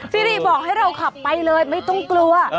ซีรีบอกให้เราขับไปเลยไม่ต้องกลัว